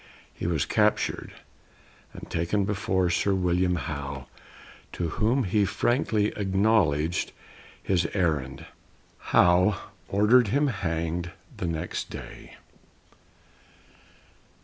He was captured and taken before Sir William Howe, to whom he frankly acknowledged his errand. Howe ordered him hanged next day.